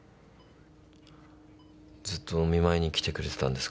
ずっとお見舞いに来てくれてたんですか？